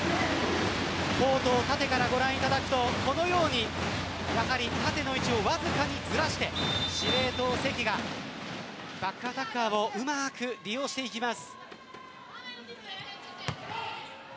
コートを縦からご覧いただくとこのように、やはり縦の位置をわずかにずらして司令塔・関がバックアタッカーをうまく利用していきます。